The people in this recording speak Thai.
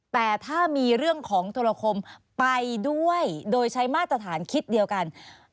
แต่ถ้ามีเรื่องของธุรคมไปด้วยโดยใช้มาตรฐานคิดเดียวกัน